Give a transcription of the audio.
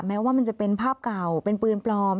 แม้ว่ามันจะเป็นภาพเก่าเป็นปืนปลอม